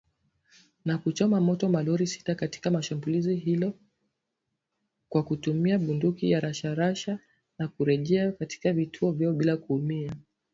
na kuchoma moto malori sita katika shambulizi hilo kwa kutumia bunduki za rashasha na kurejea katika vituo vyao bila kuumia